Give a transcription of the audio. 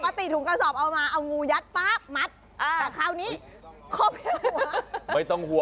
ปกติถุงกระซอบเอามาเอางูยัดปั๊บมัดแต่คราวนี้เหล่าแค่หัว